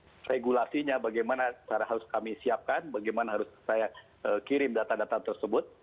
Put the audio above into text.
nah regulasinya bagaimana cara harus kami siapkan bagaimana harus saya kirim data data tersebut